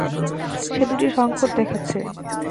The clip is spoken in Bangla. সে দুটি সংকেত দেখাচ্ছে।